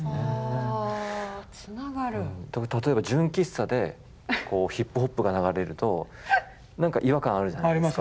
例えば純喫茶でヒップホップが流れると何か違和感あるじゃないですか。